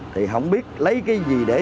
thì không biết lấy cái gì để